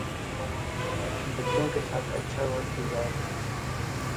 بچوں کے ساتھ اچھا وقت گذار رہے ہیں